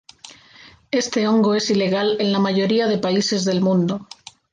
Este hongo es ilegal en la mayoría de países del mundo.